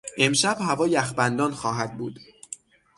امشب هوا یخبندان خواهد بود.